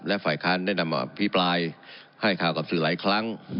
และฝ่ายค้านได้นำอภิปรายให้ข่าวกับสื่อหลายครั้ง